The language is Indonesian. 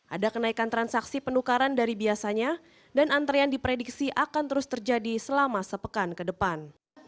ada kenaikan transaksi penukaran dari biasanya dan antrean diprediksi akan terus terjadi selama sepekan ke depan